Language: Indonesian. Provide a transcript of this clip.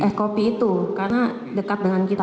es kopi itu karena dekat dengan kita